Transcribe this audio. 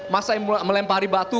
masa yang melempari batu